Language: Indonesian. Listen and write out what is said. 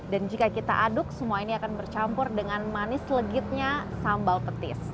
jika kita aduk semua ini akan bercampur dengan manis legitnya sambal petis